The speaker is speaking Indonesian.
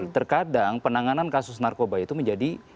terkadang penanganan kasus narkoba itu menjadi